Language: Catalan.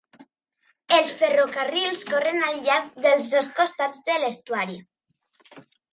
Els ferrocarrils corren al llarg dels dos costats de l'estuari.